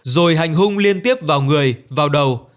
rồi hành hung liên tiếp vào người vào đầu